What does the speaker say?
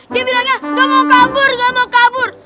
dia bilangnya gak mau kabur gak mau kabur